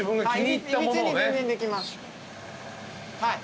はい。